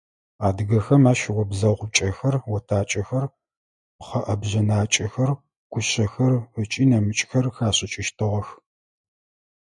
Адыгэхэм ащ обзэгъукӏэхэр, отакӏэхэр, пхъэӏэбжъэнакӏэхэр, кушъэхэр ыкӏи нэмыкӏхэр хашӏыкӏыщтыгъэх.